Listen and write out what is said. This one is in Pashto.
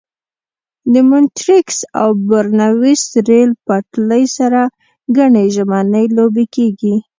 له مونټریکس او برنویس ریل پټلۍ سره ګڼې ژمنۍ لوبې کېږي.